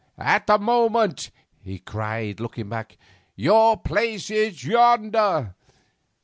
'At the moment,' he cried, looking back, 'your place is yonder.